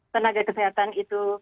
tenaga kesehatan itu